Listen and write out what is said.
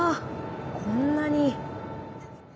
こんなに。